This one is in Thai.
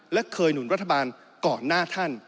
และเคยหนุนรัฐบาลก่อนหน้าท่าน